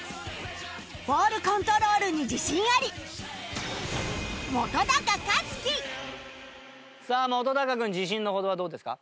ボールコントロールに自信あり！さあ本君自信のほどはどうですか？